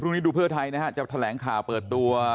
พรุ่งนี้ดูเพื่อไทยจะแถลงข่าวเปิดตัว